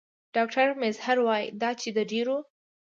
ډاکټر میزهر وايي دا چې د ډېرو